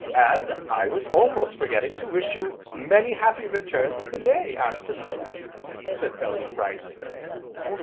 "And I was almost forgetting to wish you 'many happy returns of the day, Aunt Priscilla!'" said Bellew, rising.